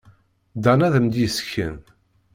Dan ad am-d-yessken.